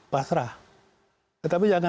pasrah tetapi jangan